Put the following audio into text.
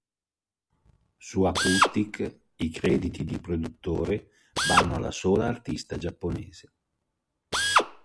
Su "Acoustic", i crediti di produttore vanno alla sola artista giapponese.